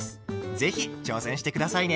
是非挑戦して下さいね。